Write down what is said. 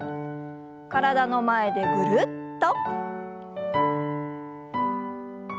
体の前でぐるっと。